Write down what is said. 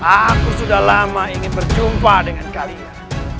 aku sudah lama ingin berjumpa dengan kalian